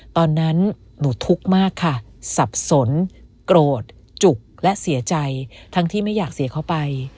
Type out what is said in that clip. ตอนนั้นหนูทุกข์มากค่ะสับสนโกรธจุกและเสียใจทั้งที่ไม่อยากเสียเข้าไป